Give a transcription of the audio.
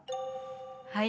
はい。